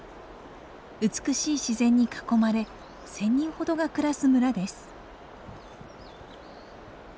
美しい自然に囲まれ１，０００人ほどが暮らす村です。